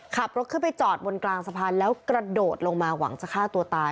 ขับรถขึ้นไปจอดบนกลางสะพานแล้วกระโดดลงมาหวังจะฆ่าตัวตาย